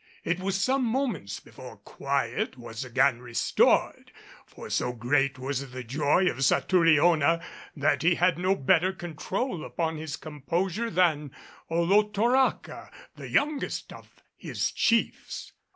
It was some moments before quiet was again restored, for so great was the joy of Satouriona that he had no better control upon his composure than Olotoraca, the youngest of his chiefs.